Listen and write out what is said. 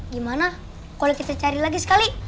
gimana kalau kita cari lagi sekali